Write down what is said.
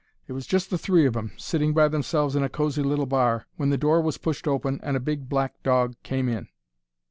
There was just the three of 'em sitting by themselves in a cosy little bar, when the door was pushed open and a big black dog came in.